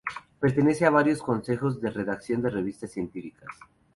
Pertenece a varios consejos de redacción de revistas científicas.